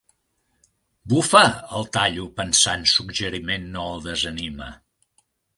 Bufa! —el tallo, pensant suggeriment no el desanima.